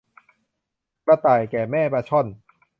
กระต่ายแก่แม่ปลาช่อน